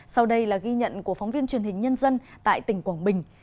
sau đây là ghi nhận của phóng viên truyền hình nhân dân tại tỉnh quảng bình